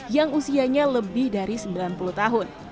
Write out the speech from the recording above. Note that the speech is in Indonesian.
yang usianya lebih dari sembilan puluh tahun